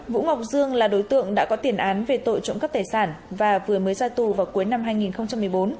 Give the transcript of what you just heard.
vũ ngọc dương là đối tượng đã có tiền án về tội trộm cắp tài sản và vừa mới ra tù vào cuối năm hai nghìn một mươi bốn